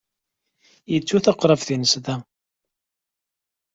Yettu-d aqrab-nnes da.